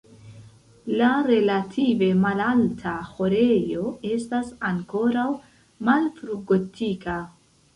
La relative malalta ĥorejo estas ankoraŭ malfrugotika.